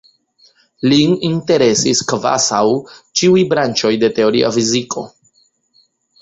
Lin interesis kvazaŭ ĉiuj branĉoj de teoria fiziko.